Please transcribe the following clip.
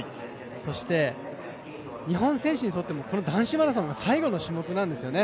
そして、日本選手にとってもこの男子マラソンが最後の種目なんですよね